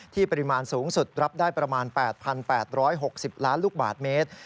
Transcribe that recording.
ปริมาณสูงสุดรับได้ประมาณ๘๘๖๐ล้านลูกบาทเมตร